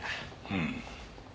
うん。